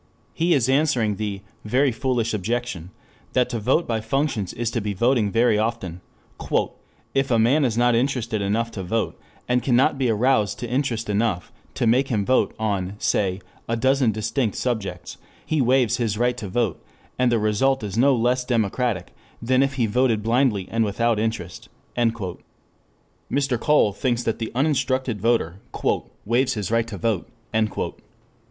He is answering the "very foolish objection" that to vote by functions is to be voting very often: "If a man is not interested enough to vote, and cannot be aroused to interest enough to make him vote, on, say, a dozen distinct subjects, he waives his right to vote and the result is no less democratic than if he voted blindly and without interest." Mr. Cole thinks that the uninstructed voter "waives his right to vote."